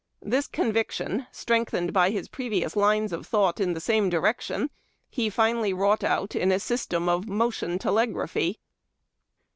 This conviction, strengthened by his previous lines of thought in the same direction, he finally wrought out in a system of motion telegraphy.